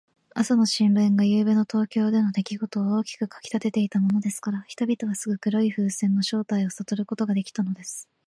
朝の新聞が、ゆうべの東京でのできごとを大きく書きたてていたものですから、人々はすぐ黒い風船の正体をさとることができたのです。